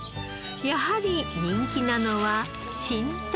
やはり人気なのは新玉ねぎ。